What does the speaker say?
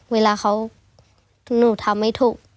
เวลาเขาหนูทำไม่ถูก